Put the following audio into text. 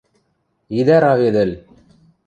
Идӓ раведӹл!